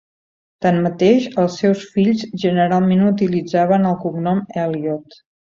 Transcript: Tanmateix, els seus fills generalment utilitzaven el cognom Eliot.